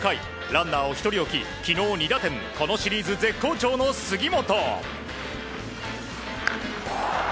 ランナーを１人置き、昨日２打点このシリーズ絶好調の杉本。